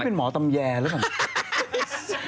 คุณเป็นหมอตำแยรึเปล่า